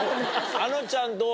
あのちゃんどう？